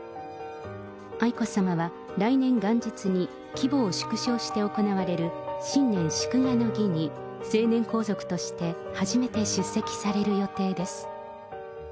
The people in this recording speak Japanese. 愛子さまは来年元日に規模を縮小して行われる新年祝賀の儀に、成年皇族として初めて出席される予定です。